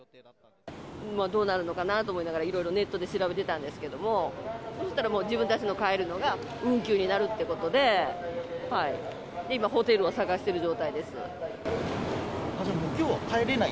どうなるのかなと思いながら、いろいろネットで調べてたんですけども、そしたらもう、自分たちが帰るのが運休になるってことで、今、ホテルを探してるきょうは帰れない？